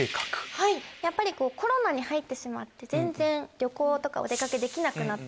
はいやっぱりコロナに入ってしまって全然旅行とかお出掛けできなくなった。